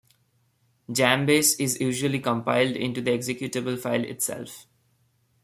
Jambase is usually compiled into the executable file itself.